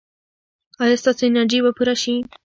ایا ستاسو انرژي به پوره شي؟